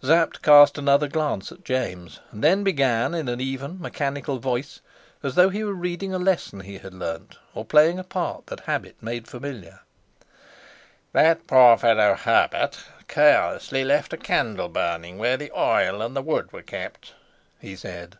Sapt cast another glance at James, and then began in an even, mechanical voice, as though he were reading a lesson he had learnt, or playing a part that habit made familiar: "That poor fellow Herbert carelessly left a candle burning where the oil and the wood were kept," he said.